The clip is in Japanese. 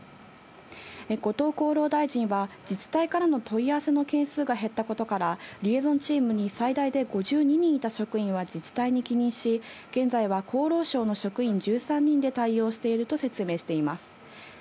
後藤厚労大臣は自治体からの問い合わせの件数が減ったことから、リエゾンチームに最大で５２人いた職員は自治体に帰任し、現在は厚労省の職員１３人で対応していると説明しています。